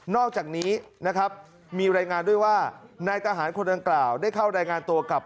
อกจากนี้นะครับมีรายงานด้วยว่านายทหารคนดังกล่าวได้เข้ารายงานตัวกับ